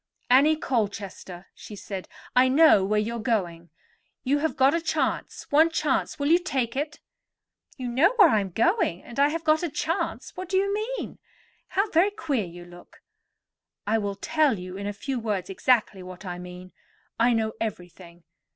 "Annie Colchester," she said, "I know where you are going. You have got a chance, one chance; will you take it?" "You know where I am going, and I have got a chance—what do you mean? How very queer you look!" "I will tell you in a few words exactly what I mean. I know everything.